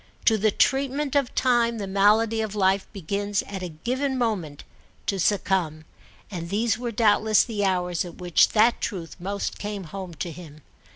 To the treatment of time the malady of life begins at a given moment to succumb; and these were doubtless the hours at which that truth most came home to him.